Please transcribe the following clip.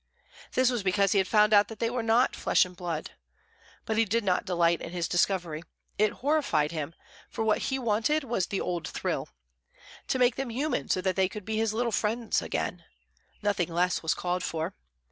This was because he had found out that they were not flesh and blood. But he did not delight in his discovery: it horrified him; for what he wanted was the old thrill. To make them human so that they could be his little friends again nothing less was called for.